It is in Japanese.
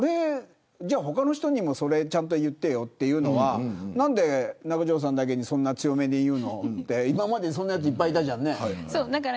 他の人でもそれちゃんと言ってよ、というのは何で中条さんにだけそんなに強めに言うのというのと今まで、そんなやついっぱいいたじゃんね。